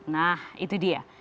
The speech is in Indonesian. nah itu dia